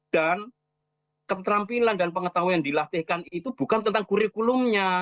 dan keterampilan dan pengetahuan yang dilatihkan itu bukan tentang kurikulumnya